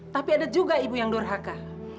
tapi ada juga ibu yang durhaka